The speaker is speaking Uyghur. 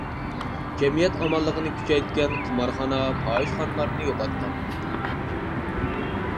جەمئىيەت ئامانلىقىنى كۈچەيتكەن، قىمارخانا، پاھىشىخانىلارنى يوقاتقان.